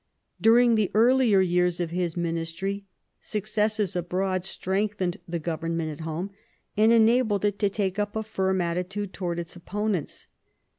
During the earlier years of his ministry, successes abroad strengthened the government at home and en abled it to take up a firm attitude towards its opponents.